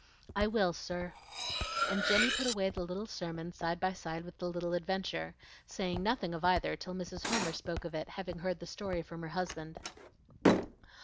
"I will, sir." And Jenny put away the little sermon side by side with the little adventure, saying nothing of either till Mrs. Homer spoke of it, having heard the story from her husband.